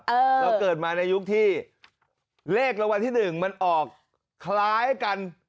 เราเกิดมาในยุคที่เลขรางวัลที่หนึ่งมันออกคล้ายกัน